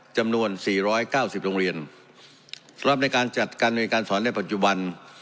จำนวนสี่ร้อยเก้าสิบโรงเรียนสำหรับในการจัดการบริการสอนในปัจจุบัน